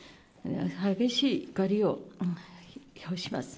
激しい怒りを表します。